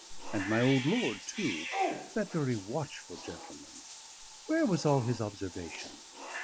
And my old lord, too that very watchful gentleman where was all his observation?